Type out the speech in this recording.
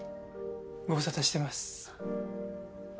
ご無沙汰してます。